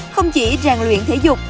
không chỉ ràng luyện thể dục